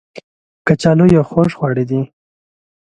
کچالو یو خوږ خواړه دی